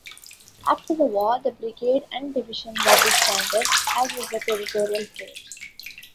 After the war the brigade and division were disbanded as was the Territorial Force.